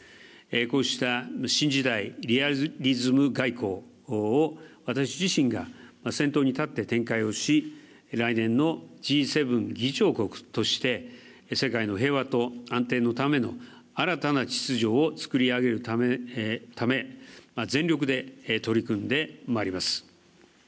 こうした新時代、リアリズム外交を私自身が先頭に立って展開をし、来年のＧ７議長国として世界の平和と安定のための新たな秩序を作り上げるため全力で取り組んでまいります。